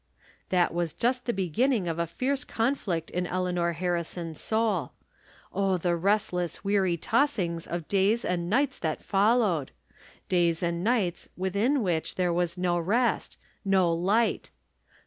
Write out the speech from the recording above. That was just the beginning of a fierce conflict in Eleanor Harrison's soul. Oh, the restless, weary tossings of days and nights that followed ! Days and nights within which there was no rest — no light